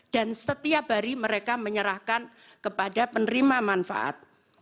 dan setiap hari mereka menyerahkan kepada penerima manfaat